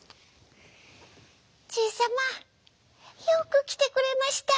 「じいさまよくきてくれました。